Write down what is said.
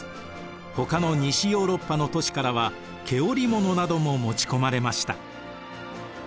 ほかの西ヨーロッパの都市からは毛織物なども持ち込まれました。